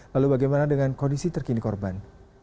lalu bagaimana dengan kondisi terkini korban